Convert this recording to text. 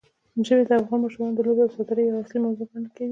ژبې د افغان ماشومانو د لوبو او ساتېرۍ یوه اصلي موضوع ګڼل کېږي.